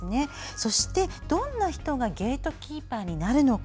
そして、どんな人がゲートキーパーになるのか。